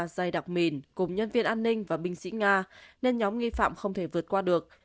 dây đọc mìn cùng nhân viên an ninh và binh sĩ nga nên nhóm nghi phạm không thể vượt qua được